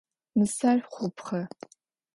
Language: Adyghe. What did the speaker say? Нысэр хъупхъэ.